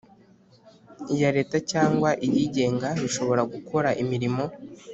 iya Leta cyangwa iyigenga bishobora gukora imirimo